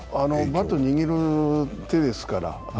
バットを握る手ですから。